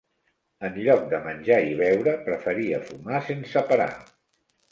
En lloc de menjar i beure, preferia fumar sense parar.